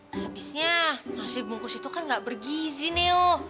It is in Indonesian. habisnya nasi bungkus itu kan gak bergizi nih